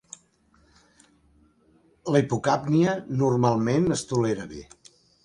La hipocàpnia normalment es tolera bé.